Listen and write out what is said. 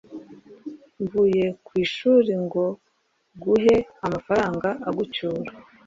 mvuye ku ishuri ngo guhe amafaranga agucyura?